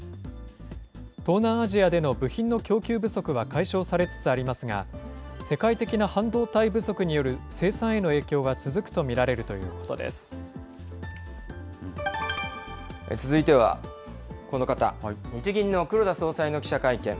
東南アジアでの部品の供給不足は解消されつつありますが、世界的な半導体不足による生産への影響は続くと見られるというこ続いてはこの方、日銀の黒田総裁の記者会見。